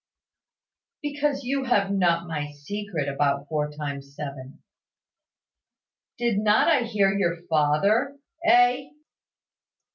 "Because you have not my secret about four times seven." "Did not I hear your father? Eh?"